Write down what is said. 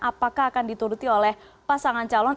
apakah akan dituruti oleh pasangan calon